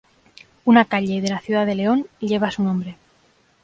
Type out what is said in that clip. Una calle de la ciudad de León lleva su nombre.